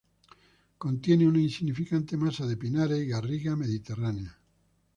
Contiene una significante masa de pinares y garriga mediterránea.